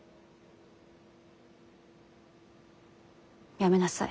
やめなさい。